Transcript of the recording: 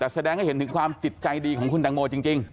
แต่แสดงให้เห็นถึงความจิตใจดีของคุณตังโมจริง